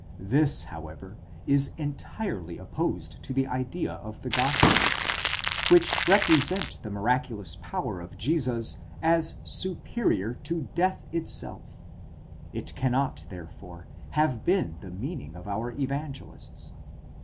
This, however, is entirely opposed to the idea of the gospels, which represent the miraculous power of Jesus as superior to death itself ; it cannot therefore have been the meaning of our Evangelists.